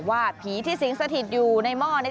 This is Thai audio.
ว่าผีที่สิงสถิตอยู่ในหม้อนี้